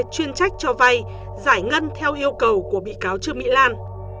chuyên trách cho vay giải ngân theo yêu cầu của bị cáo trương mỹ lan